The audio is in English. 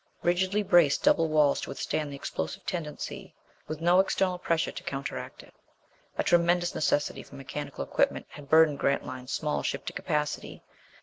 Rigidly braced double walls to withstand the explosive tendency, with no external pressure to counteract it. A tremendous necessity for mechanical equipment had burdened Grantline's small ship to capacity.